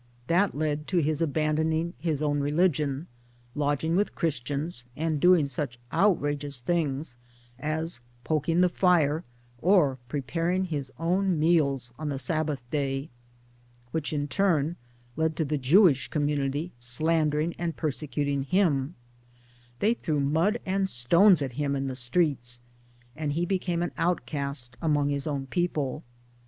That led to his abandoning his own religion, lodging with Christians, and doing such outrageous things as poking the fire or preparing his own meals on the Sabbath Day which in turn led to the Jewish community slandering and persecuting hint \ They threw mud and stones at him in the streets ; and he became an outcast among his own people.